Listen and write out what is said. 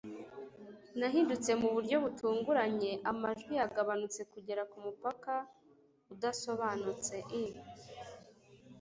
nahindutse mu buryo butunguranye; amajwi yagabanutse kugera kumupaka udasobanutse. i